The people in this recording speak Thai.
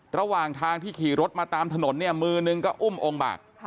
ระหว่างทางที่ขี่รถมาตามถนนเนี่ยมือนึงก็อุ้มองค์บาก